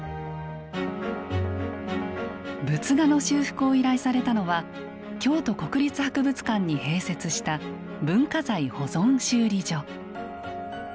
仏画の修復を依頼されたのは京都国立博物館に併設した文化財保存修理所。